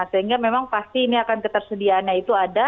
sehingga memang pasti ini akan ketersediaannya itu ada